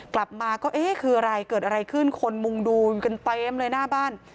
กลับมาก็เกิดอะไรขึ้นคนมุ่งดูอยู่มิตรเต็มเลยหน้าบ้าน